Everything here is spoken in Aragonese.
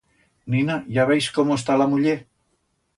Nina, ya veis como está la muller.